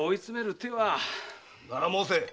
なら申せ！